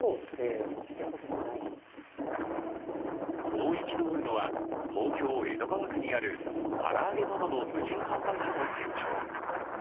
こう憤るのは、東京・江戸川区にある唐揚げなどの無人販売所の店長。